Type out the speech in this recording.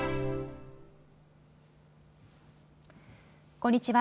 こんにちは。